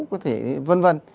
có thể vân vân